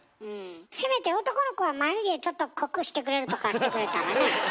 せめて男の子は眉毛ちょっと濃くしてくれるとかしてくれたらね。